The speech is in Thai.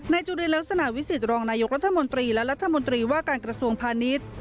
จุลินลักษณะวิสิตรองนายกรัฐมนตรีและรัฐมนตรีว่าการกระทรวงพาณิชย์